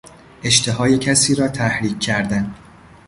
اشتهای کسی را تحریک کردن